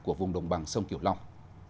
của vùng đồng bằng sông kiểu long